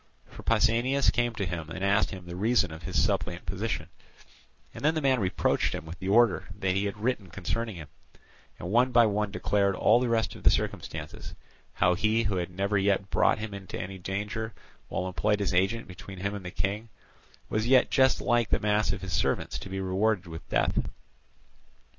For Pausanias came to him and asked him the reason of his suppliant position; and the man reproached him with the order that he had written concerning him, and one by one declared all the rest of the circumstances, how he who had never yet brought him into any danger, while employed as agent between him and the King, was yet just like the mass of his servants to be rewarded with death.